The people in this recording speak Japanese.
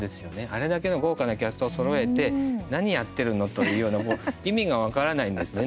あれだけの豪華なキャストをそろえて何やってるの？というようなもう意味が分からないんですね